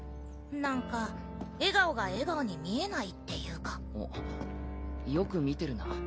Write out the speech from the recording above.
なんか笑顔が笑顔に見えないっていうあっよく見てるな。